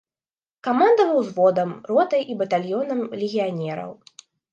Камандаваў узводам, ротай і батальёнам легіянераў.